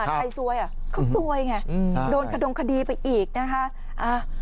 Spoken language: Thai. ใครซวยอ่ะเขาซวยไงโดนขดงคดีไปอีกนะคะ